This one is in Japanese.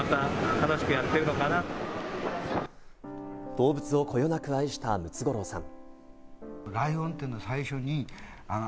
動物をこよなく愛したムツゴロウさん。